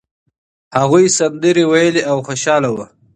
هغوی سندرې ویلې او خوشاله وو.